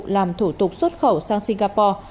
làm thủ tục xuất khẩu sang singapore